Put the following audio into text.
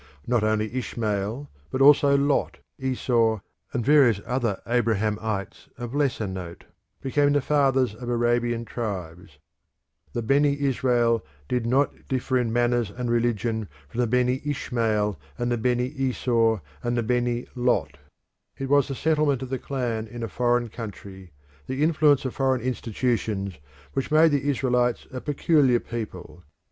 Not only Ishmael, but also Lot, Esau, and various Abrahamites of lesser note became the fathers of Arabian tribes. The Beni Israel did not differ in manners and religion from the Beni Ishmael and Beni Esau, and Beni Lot. It was the settlement of the clan in a foreign country, the influence of foreign institutions, which made the Israelites a peculiar people.